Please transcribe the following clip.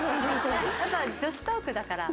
女子トークだから。